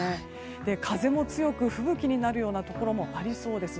風も強く、吹雪になるようなところもありそうです。